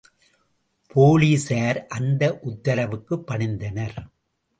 போலிஸார் அந்த உத்தரவுக்குப் பணிந்தனர்.